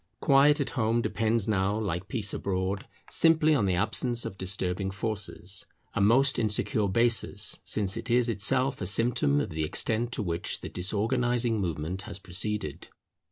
Quiet at home depends now, like peace abroad, simply on the absence of disturbing forces; a most insecure basis, since it is itself a symptom of the extent to which the disorganizing movement has proceeded.